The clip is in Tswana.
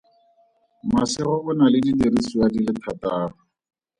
Masego o na le didiriswa di le thataro.